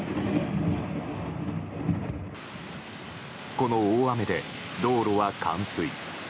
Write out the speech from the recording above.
この大雨で、道路は冠水。